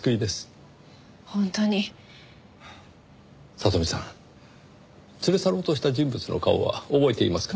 里美さん連れ去ろうとした人物の顔は覚えていますか？